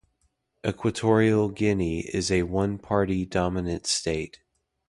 Equatorial Guinea is a one party dominant state.